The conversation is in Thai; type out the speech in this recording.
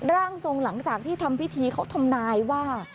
ร่างทรงหลังจากที่ทำพิธีเขาทำนายว่า